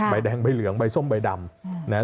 ใบแดงใบเหลืองใบส้มใบดำนะฮะ